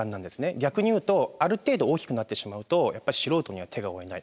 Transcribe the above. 逆に言うとある程度大きくなってしまうとやっぱり素人には手が負えない。